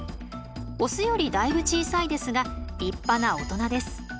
オスよりだいぶ小さいですが立派な大人です。